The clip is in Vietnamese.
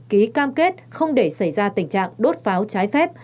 ký cam kết không để xảy ra tình trạng đốt pháo trái phép